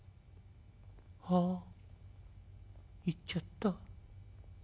あ行っちゃった。